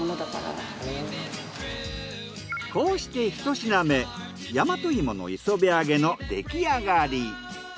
こうして１品目大和芋の磯辺揚げの出来上がり。